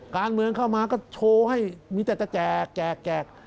การเมืองเข้ามาก็โชว์ให้มีแต่จะแจกแจก